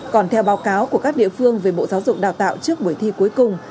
còn theo báo cáo của các địa phương về bộ giáo dục đào tạo trước buổi thi cuối cùng